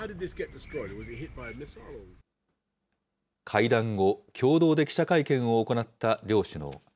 会談後、共同で記者会見を行った両首脳。